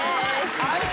安心。